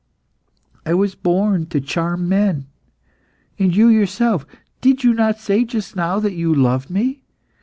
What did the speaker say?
I was born to charm men. And you yourself, did you not say just now that you loved me?